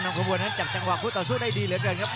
ขบวนนั้นจับจังหวะคู่ต่อสู้ได้ดีเหลือเกินครับ